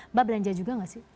mbak belanja juga nggak sih